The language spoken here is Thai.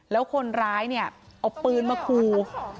แล้วคนร้ายเนี่ยเอาปืนมาคู